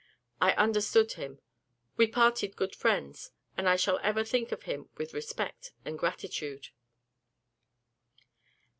I understood him; we parted good friends, and I shall ever think of him with respect and gratitude.